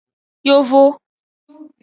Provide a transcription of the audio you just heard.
Yovo.